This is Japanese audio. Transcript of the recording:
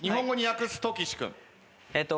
えっと。